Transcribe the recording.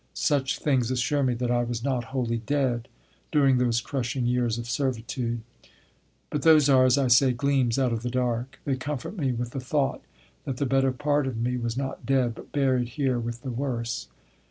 Such things assure me that I was not wholly dead during those crushing years of servitude. But those are, as I say, gleams out of the dark. They comfort me with the thought that the better part of me was not dead, but buried here with the worse.